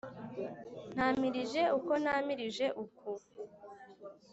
ntamilije uko ntamirije uku.